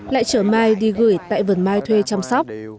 lại chở mai đi gửi tại vườn mai thuê chăm sóc